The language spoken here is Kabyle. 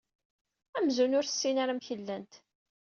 Amzun ur tessin ara amek llant.